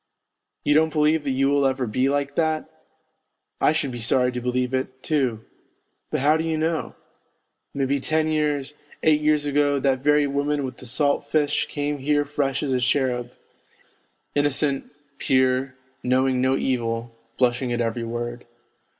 You don't believe that you will over be like that ? I should be sorry to believe it, too, but how do you know; maybe ten years, eight years ago that very woman with the salt fish came here fresh as a cherub, innocent, pure, knowing no evil, blushing at every word.